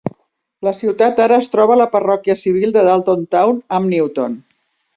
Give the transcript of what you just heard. La ciutat ara es troba a la parròquia civil de Dalton Town amb Newton.